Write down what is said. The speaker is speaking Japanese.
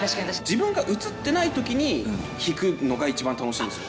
自分が写ってない時に弾くのが一番楽しいです。